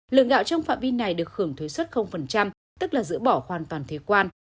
lượng gạo trong phạm vi này được hưởng thuế xuất tức là giữ bỏ hoàn toàn thuế quan